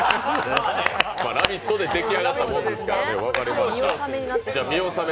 「ラヴィット！」で出来上がったもんですからね、見納め。